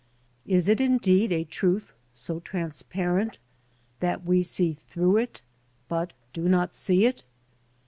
Is it indeed a truth so transparent that we see through it but do not see it?